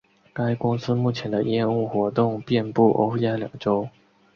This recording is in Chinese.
该公司目前的业务活动遍布欧亚两洲。